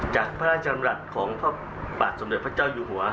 จากพระราชดำรัฐของพระบาทสมเด็จพระเจ้าอยู่หัว